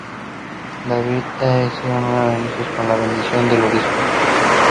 Several monographs and numerous essays deal with the work of Hans Werner Henze.